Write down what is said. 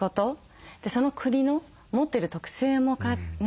その国の持ってる特性もね